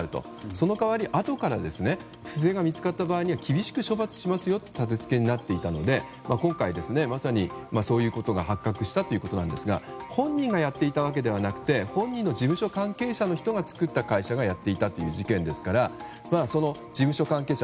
その代わり、あとから不正が見つかった場合には厳しく処罰しますよという立て付けになっていたので今回、まさにそういうことが発生したということですが本人がやっていたわけではなくて本人の事務所関係者が作った会社がやっていたという事件ですから、その事務所関係者